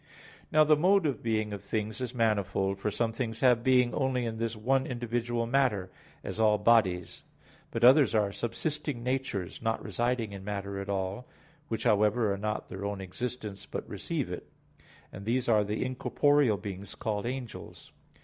Now the mode of being of things is manifold. For some things have being only in this one individual matter; as all bodies. But others are subsisting natures, not residing in matter at all, which, however, are not their own existence, but receive it; and these are the incorporeal beings, called angels.